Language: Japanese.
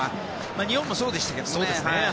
日本もそうでしたけどね。